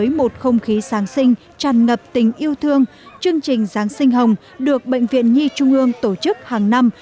tới một không khí sáng sinh tràn ngập tình yêu thương chương trình sáng sinh hồng được bệnh viện nhi trung ương tổ chức hàng năm